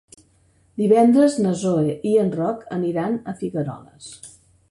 Divendres na Zoè i en Roc aniran a Figueroles.